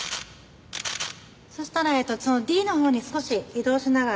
そしたらそのＤのほうに少し移動しながら。